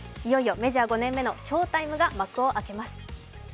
いよいよメジャー５年目の翔タイムが幕を開けます。